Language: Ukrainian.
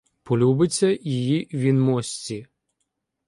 Полюбиться її він мосці